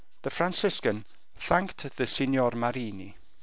The Franciscan thanked the Signor Marini.